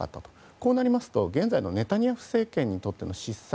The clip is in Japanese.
こうなりますと現在のネタニヤフ政権にとっての失策。